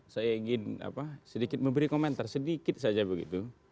saya ingin sedikit memberi komentar sedikit saja begitu